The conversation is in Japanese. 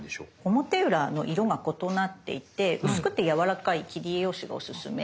表裏の色が異なっていて薄くてやわらかい切り絵用紙がおすすめです。